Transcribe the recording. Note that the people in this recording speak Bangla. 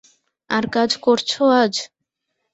আর কাজ করছো আজ?